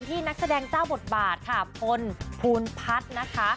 นักแสดงเจ้าบทบาทค่ะพลภูนพัฒน์นะคะ